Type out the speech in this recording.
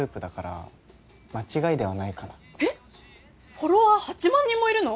フォロワー８万人もいるの？